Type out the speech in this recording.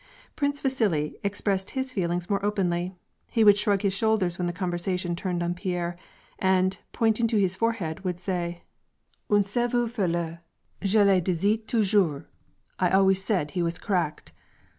Prince Yasili expressed his feelings more openly. He would shrug his shoulders when the conversation turned on Pierre, and, pointing to his forehead, would say, —" Un cerveau fele; je le disais taujours — I always said he was cracked."